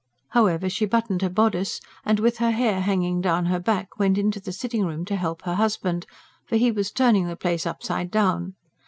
However she buttoned her bodice, and with her hair hanging down her back went into the sitting room to help her husband; for he was turning the place upside down.